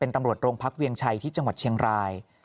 ตำรวจโรงพักเวียงชัยที่จังหวัดเชียงราย